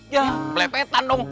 ya plepetan dong